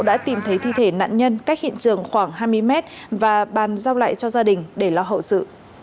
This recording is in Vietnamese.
đã tìm thấy thi thể nạn nhân cách hiện trường khoảng hai mươi mét và bàn giao lại cho gia đình để lo hậu sự